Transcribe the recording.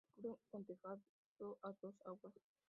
Se cubre con tejado a dos aguas.